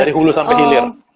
dari hulu sampai hilir